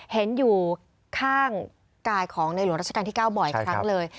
เห็นอยู่ข้างกายของในหลวงราชการที่๙บ่อยครั้งเลย